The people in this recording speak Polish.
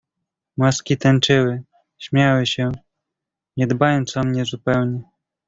"Maski tańczyły, śmiały się, nie dbając o mnie zupełnie."